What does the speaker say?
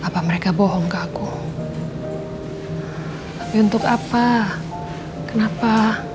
jadi gak mungkin dvd itu ada di angga